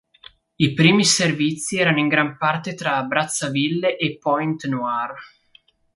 I primi servizi erano in gran parte tra Brazzaville e Pointe Noire.